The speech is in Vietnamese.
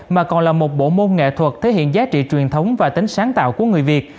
mà còn là một bộ môn nghệ thuật thể hiện giá trị truyền thống và tính sáng tạo của người việt